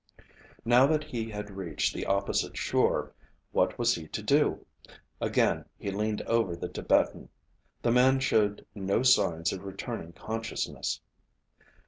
Now that he had reached the opposite shore, what was he to do? Again he leaned over the Tibetan. The man showed no signs of returning consciousness.